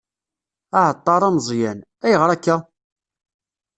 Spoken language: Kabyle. Aεeṭṭar ameẓyan: Ayγer akka?